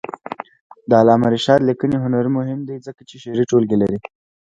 د علامه رشاد لیکنی هنر مهم دی ځکه چې شعري ټولګې لري.